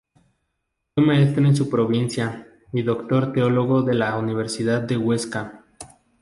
Fue maestro en su provincia, y Doctor Teólogo de la Universidad de Huesca.